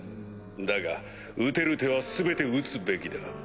だが打てる手は全て打つべきだ。